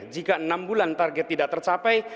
jika enam bulan target tidak tercapai